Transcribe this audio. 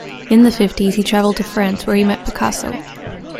In the fifties he traveled to France where he met Picasso.